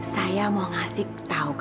saya mau ngasih tahu